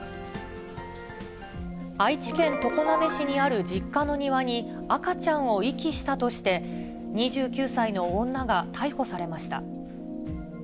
愛知県常滑市にある実家の庭に赤ちゃんを遺棄したとして、２９歳の女が逮捕されました。